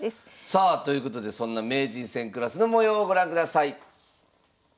さあということでそんな名人戦クラスの模様をご覧ください。